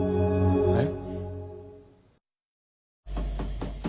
えっ？